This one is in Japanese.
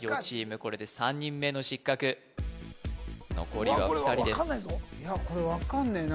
これで３人目の失格残りは２人ですいやこれ分かんねえな